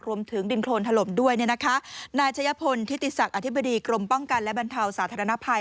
รวมถึงดินโครนถล่มด้วยเนี่ยนะคะนายชะยะพลทิติศักดิ์อธิบดีกรมป้องกันและบรรเทาสาธารณภัย